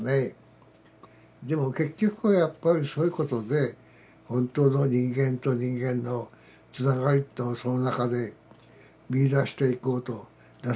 でも結局はやっぱりそういうことで本当の人間と人間のつながりというのをその中で見いだしていこうとなさったんだろうからね。